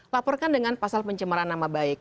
laporkan dengan pasal pencemaran nama baik